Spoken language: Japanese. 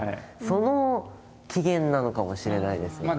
その起源なのかもしれないですね。